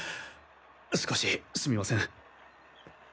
少しすみません。